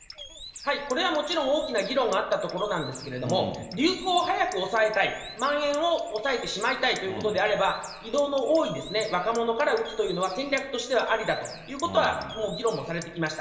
これはもちろん大きな議論があったところなんですけれども、流行を早く抑えたい、まん延を抑えてしまいたいということであれば、移動の多い若者から打つというのは、戦略としてはありだということは、もう議論もされてきました。